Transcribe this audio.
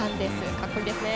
かっこいいですね。